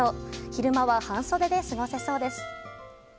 昼間は半袖で過ごせそうです。